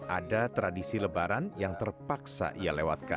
ada tradisi lebaran yang terpaksa ia lewatkan